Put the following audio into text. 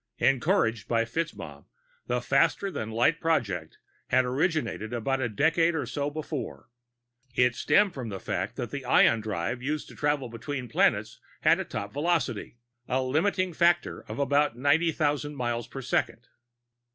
Encouraged by FitzMaugham, the faster than light project had originated about a decade or so before. It stemmed from the fact that the ion drive used for travel between planets had a top velocity, a limiting factor of about ninety thousand miles per second.